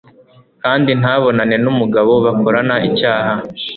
kandi ntabonane n'umugabo bakorana icyaha